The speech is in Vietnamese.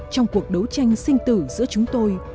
trong cuộc đấu tranh sinh tử giữa chúng tôi